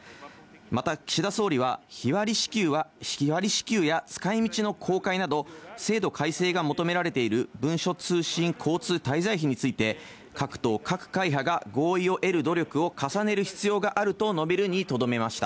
また岸田総理は、日割り支給や使いみちの公開など、制度改正が求められている文書通信交通滞在費について、各党、各会派が合意を得る努力を重ねる必要があると述べるにとどめました。